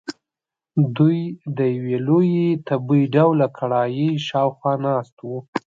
دوی د یوې لویې تبۍ ډوله کړایۍ شاخوا ناست وو.